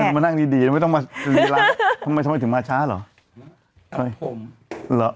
มานั่งดีไม่ต้องมารีลักษณ์ทำไมถึงมาช้าหรอ